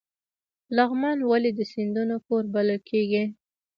لغمان ولې د سیندونو کور بلل کیږي؟